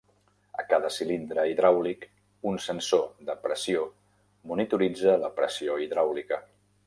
A cada cilindre hidràulic, un sensor de pressió monitoritza la pressió hidràulica.